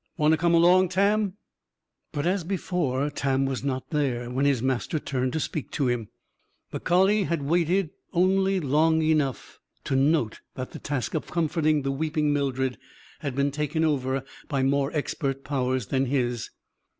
Want to come along, Tam?" But, as before, Tam was not there, when his master turned to speak to him. The collie had waited only long enough to note that the task of comforting the weeping Mildred had been taken over by more expert powers than his.